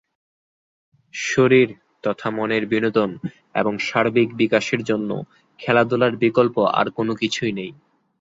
শরীর তথা মনের বিনোদন এবং সার্বিক বিকাশের জন্য খেলাধুলার বিকল্প আর কোন কিছুই নেই।